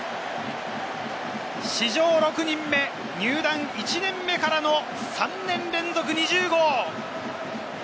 史上６人目、入団１年目からの３年連続２０号！